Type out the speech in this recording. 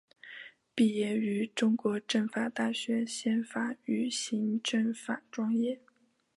毕业于中国政法大学宪法与行政法专业。